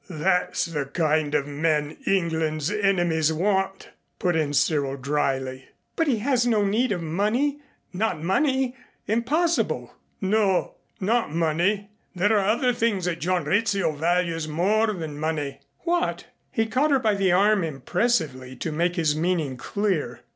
"That's the kind of men England's enemies want," put in Cyril dryly. "But he has no need of money. Not money. Impossible!" "No, not money. There are other things that John Rizzio values more than money." "What?" He caught her by the arm impressively to make his meaning clear.